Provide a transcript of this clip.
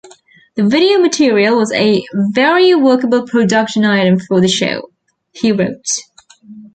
"The video material was a very workable production item for the show," he wrote.